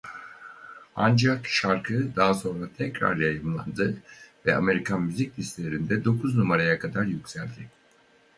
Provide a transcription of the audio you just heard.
Ancak şarkı daha sonra tekrar yayımlandı ve Amerikan müzik listelerinde dokuz numaraya kadar yükseldi.